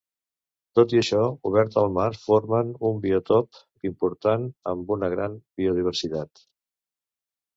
Tot i això, obert al mar formen un biòtop important amb una gran biodiversitat.